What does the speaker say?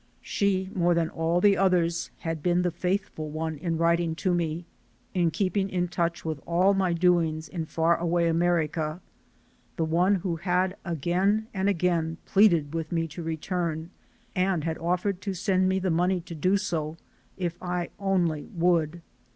She, more than all the others, had been the faithful one in writ 308THE SOUL OF AN IMMIGRANT ing to me, in keeping in touch with all my doings in far away America ; the one who had again and again pleaded with me to return, and had offered to send me the money to do so, if I only would.